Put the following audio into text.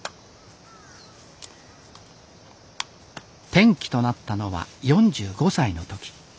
転機となったのは４５歳の時。